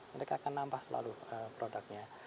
mereka akan nambah selalu produknya